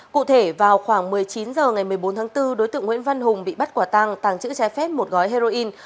cụ thể vào khoảng một mươi chín h ngày một mươi bốn tháng bốn đối tượng nguyễn văn hùng bị bắt quả tàng tàng trữ trái phép một gói heroin